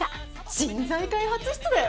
人材開発室だよ！